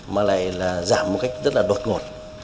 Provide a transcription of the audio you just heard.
mà lại là giảm một cách rất là đột ngột